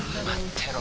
てろ